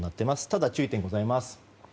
ただ、注意点がございます。